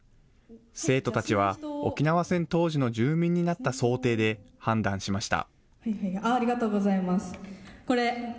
生徒たちは沖縄戦当時の住民になった想定で判断しました。